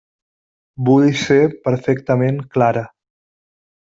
Vull ser perfectament clara.